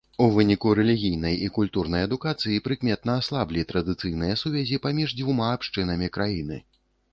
У выніку рэлігійнай і культурнай адукацыі прыкметна аслаблі традыцыйныя сувязі паміж дзвюма абшчынамі краіны.